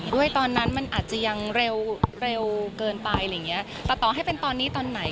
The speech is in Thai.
ด้วยตอนนั้นมันอาจจะยังเร็วเกินไปแต่ต่อให้เป็นตอนนี้ตอนไหน